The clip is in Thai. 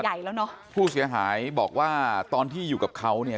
เพราะว่าผู้เสียหายบอกว่าตอนที่อยู่กับเขาเนี่ย